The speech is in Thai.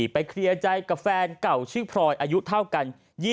เคลียร์ใจกับแฟนเก่าชื่อพลอยอายุเท่ากัน